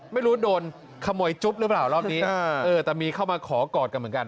ไม่รู้โดนขโมยจุ๊บหรือเปล่ารอบนี้แต่มีเข้ามาขอกอดกันเหมือนกัน